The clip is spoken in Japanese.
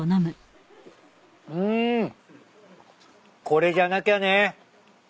これじゃなきゃね。